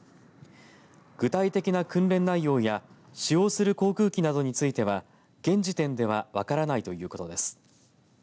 具体的な訓練内容や使用する航空機などについては現時点では分からないということです。